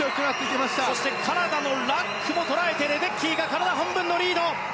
そしてカナダのラックも捉えてレデッキーが体半分のリード！